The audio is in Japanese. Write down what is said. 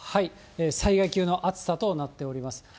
災害級の暑さとなっておりまして。